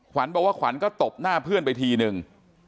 บอกว่าขวัญก็ตบหน้าเพื่อนไปทีนึง